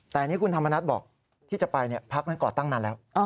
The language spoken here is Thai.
แต่นี่คุณธรรมนัฐบอกที่จะไปพักนั้นก่อตั้งนานแล้ว